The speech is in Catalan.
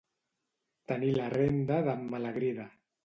Tenir la renda d'en Malagrida.